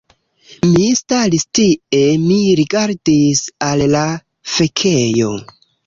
Mi staris tie, mi rigardis al la fekejo